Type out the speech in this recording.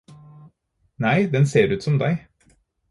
Nei, den ser ut som deg